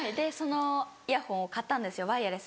イヤホンを買ったんですよワイヤレス。